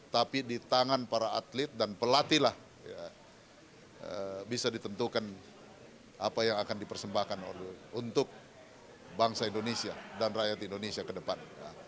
tapi di tangan para atlet dan pelatih lah bisa ditentukan apa yang akan dipersembahkan untuk bangsa indonesia dan rakyat indonesia ke depan